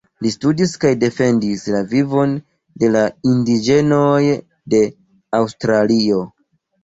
Li studis kaj defendis la vivon de la indiĝenoj de Aŭstralio.